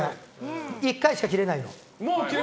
１回しか切れないの？